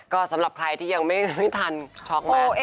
ก็สำหรับใครที่ยังไม่ทันช็อกมาก